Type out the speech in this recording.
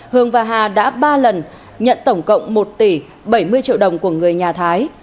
hương và hà đã ba lần nhận tổng cộng một tỷ bảy mươi triệu đồng của người nhà thái